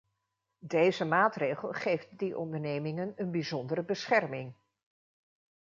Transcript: Deze maatregel geeft die ondernemingen een bijzondere bescherming.